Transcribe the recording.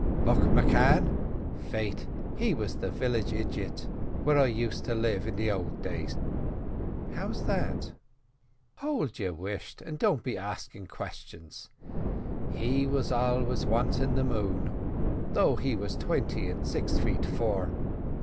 "Buck M'Cann? Faith, he was the village ijit where I used to live in the ould days." "What's that?" "Hould your whisht, an' don't be axin' questions. He was always wantin' the moon, though he was twinty an' six feet four.